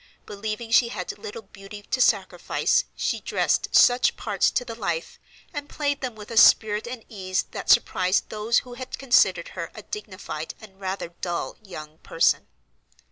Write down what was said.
Believing she had little beauty to sacrifice, she dressed such parts to the life, and played them with a spirit and ease that surprised those who had considered her a dignified and rather dull young person.